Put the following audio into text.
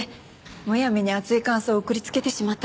むやみに熱い感想を送りつけてしまったくらいです。